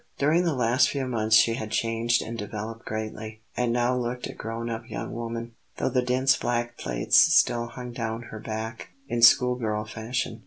During the last few months she had changed and developed greatly, and now looked a grown up young woman, though the dense black plaits still hung down her back in school girl fashion.